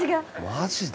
マジで？